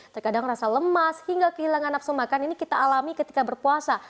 terkadang rasa lemas hingga kehilangan nafsu makan ini kita alami ketika berpuasa